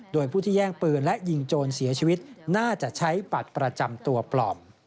โดยผู้ที่แย่งปืนและยิงโจรเสียชีวิตน่าจะใช้บัตรประจำตัวปลอม